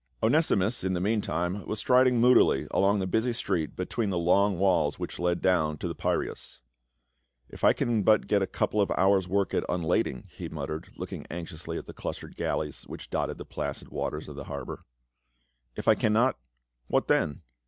Onesimus in the meantime Avas striding moodily along the busy street between the long walls which led down to the Piraeus ;" If I can but get a couple of hours work at unlading," he muttered, looking anx iously at the clustered galleys which dotted the placid waters of the harbor. " If I cannot — what then